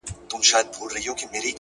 علم د پرمختګ اساس جوړوي،